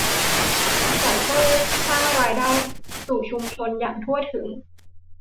ซึ่งจะช่วยสร้างรายได้สู่ชุมชนอย่างทั่วถึง